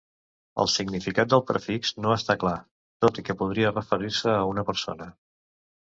El significat del prefix no està clar, tot i que podria referir-se a una persona.